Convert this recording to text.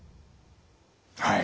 はい。